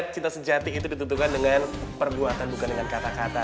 cinta sejati itu ditentukan dengan perbuatan bukan dengan kata kata